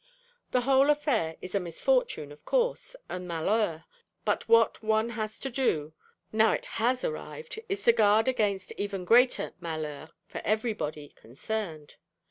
The whole affair is a misfortune, of course, 'un malheur': but what one has to do, now it has arrived, is to guard against even greater 'malheurs' for everybody concerned.